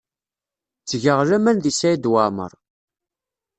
Ttgeɣ laman deg Saɛid Waɛmaṛ.